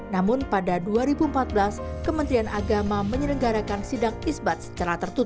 namun pada dua ribu empat belas kementerian agama menyelenggarakan sidang isbat secara tertutup